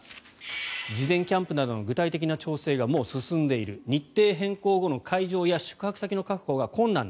事前キャンプなどの具体的な調整がもう進んでいる日程変更後の会場や宿泊先の確保が困難だ。